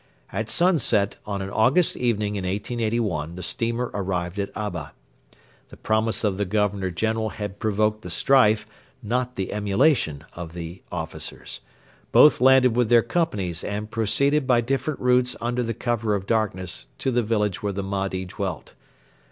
At sunset on an August evening in 1881 the steamer arrived at Abba. The promise of the Governor General had provoked the strife, not the emulation of the officers. Both landed with their companies and proceeded by different routes under the cover of darkness to the village where the Mahdi dwelt.